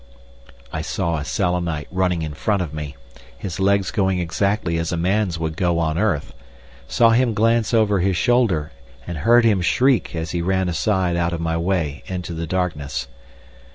I saw a Selenite running in front of me, his legs going exactly as a man's would go on earth, saw him glance over his shoulder, and heard him shriek as he ran aside out of my way into the darkness.